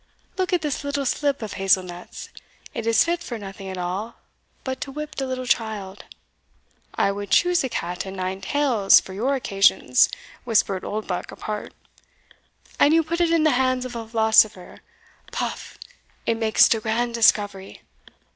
Look at this little slip of hazel nuts it is fit for nothing at all but to whip de little child" ("I would choose a cat and nine tails for your occasions," whispered Oldbuck apart) "and you put it in the hands of a philosopher paf! it makes de grand discovery.